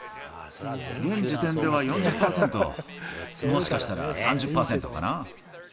現時点では４０％、もしかしたら３０％かな。